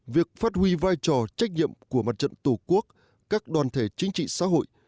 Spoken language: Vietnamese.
việc phát huy vai trò trách nhiệm của mặt trận tổ quốc các đoàn thể chính trị xã hội